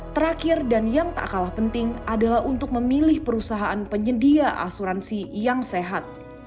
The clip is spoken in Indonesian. terakhir dan yang tak kalah penting adalah untuk memilih perusahaan penyedia asuransi yang sehat